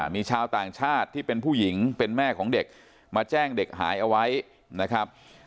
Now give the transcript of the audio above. มีชาวต่างชาติที่เป็นผู้หญิงเป็นแม่ของเด็กมาแจ้งเด็กหายเอาไว้นะครับ